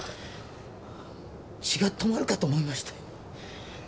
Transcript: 血が止まるかと思いましたよ。